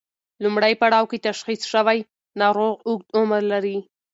لومړی پړاو کې تشخیص شوی ناروغ اوږد عمر لري.